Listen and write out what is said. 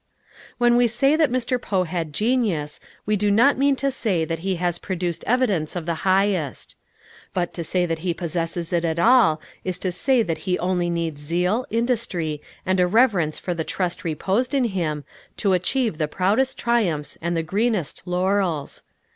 When we say that Mr. Poe had genius, we do not mean to say that he has produced evidence of the highest. But to say that he possesses it at all is to say that he needs only zeal, industry, and a reverence for the trust reposed in him, to achieve the proudest triumphs and the greenest laurels.